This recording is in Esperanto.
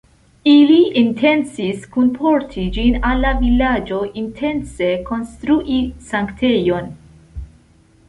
Ili intencis kunporti ĝin al la vilaĝo intence konstrui sanktejon.